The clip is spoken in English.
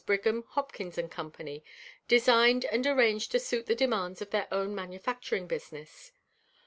Brigham, Hopkins & Co., designed and arranged to suit the demands of their own manufacturing business.